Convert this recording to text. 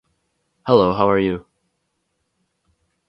Hello, how are you